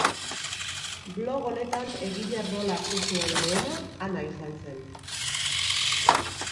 Blog honetan egile rola hartu zuen lehena Ana izan zen.